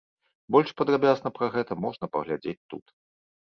Больш падрабязна пра гэта можна паглядзець тут.